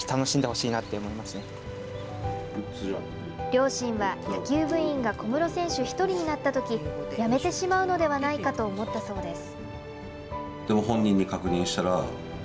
両親は、野球部員が小室選手１人になった時辞めてしまうのではないかと思ったそうです。